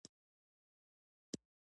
زما یخ کېږي .